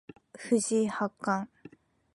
藤井八冠